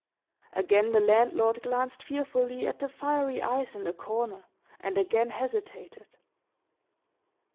Again the landlord glanced fearfully at the fiery eyes in the corner, and again hesitated.